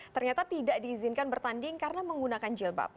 ternyata tidak diizinkan bertanding karena menggunakan jilbab